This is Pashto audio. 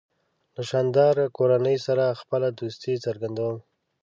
له شانداره کورنۍ سره خپله دوستي څرګندوم.